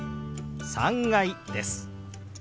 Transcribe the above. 「３階」です。